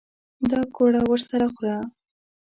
دا ګوړه ورسره خوره.